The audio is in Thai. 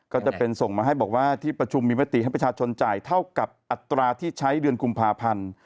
ก็จะเป็นส่งมาให้บอกว่าที่ประชุมมีมติให้ประชาชนจ่ายเท่ากับอัตราที่ใช้เดือนกุมภาพันธ์